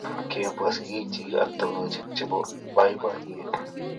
Kibwa sigikchi ak togochikab chebo boiboiyet